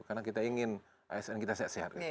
karena kita ingin asn kita sehat sehat